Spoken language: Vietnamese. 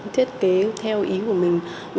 thiết kế theo ý của mình